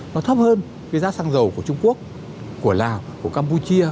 nó thấp hơn cái giá xăng dầu của trung quốc của lào của campuchia